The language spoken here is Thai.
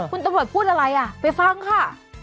คุณตำรวจพูดอะไรอ่ะไปฟังค่ะ